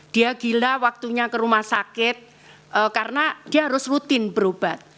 dia gila waktunya ke rumah sakit karena dia harus rutin berobat